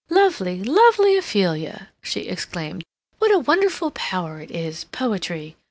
"Lovely, lovely Ophelia!" she exclaimed. "What a wonderful power it is—poetry!